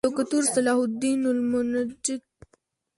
دوکتور صلاح الدین المنجد